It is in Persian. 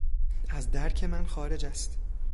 از درک من خارج است.